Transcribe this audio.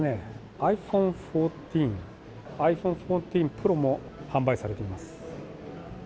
ｉＰｈｏｎｅ１４、ｉＰｈｏｎｅ１４Ｐｒｏも販売されています。